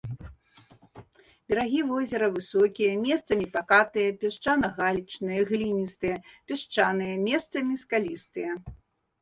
Берагі возера высокія, месцамі пакатыя, пясчана-галечныя, гліністыя, пясчаныя, месцамі скалістыя.